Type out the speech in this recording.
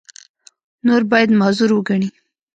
نور باید معذور وګڼي.